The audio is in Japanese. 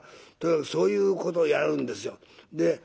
とにかくそういうことをやるんですよ。